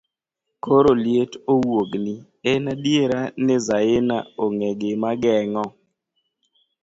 koro liet owuogni, en adiera ni Zaina ong'e gima geng'o